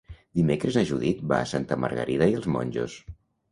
Dimecres na Judit va a Santa Margarida i els Monjos.